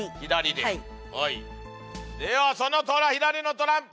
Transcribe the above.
ではその左のトランプ